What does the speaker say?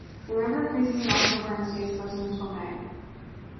The river freezes in October and stays frozen until May.